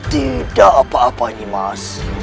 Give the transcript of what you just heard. tidak apa apa ini mas